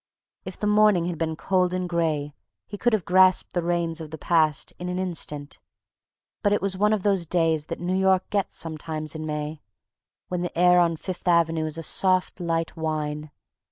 If the morning had been cold and gray he could have grasped the reins of the past in an instant, but it was one of those days that New York gets sometimes in May, when the air on Fifth Avenue is a soft, light wine.